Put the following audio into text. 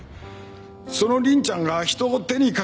その凛ちゃんが人を手にかけた。